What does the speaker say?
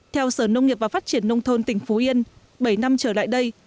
theo sở nông nghiệp và phát triển nông thôn tỉnh phú yên bảy năm trở lại đây